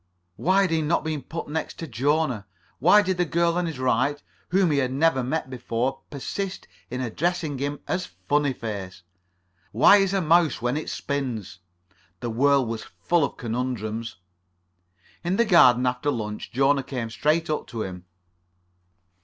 Why had he not been put next to Jona? Why did the girl on his right, whom he had never met before, persist in addressing him as Funnyface? Why is a mouse when it spins? The world was full of conundrums. In the garden after lunch, Jona came straight up to him.